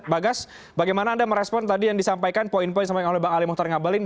bagas bagaimana anda merespon tadi yang disampaikan poin poin yang disampaikan oleh bang ali mohtar ngabalin